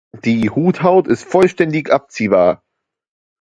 Die Huthaut ist vollständig abziehbar.